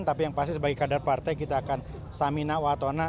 tapi yang pasti sebagai kadar partai kita akan samina wa tona